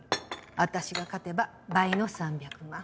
私が勝てば倍の３００万。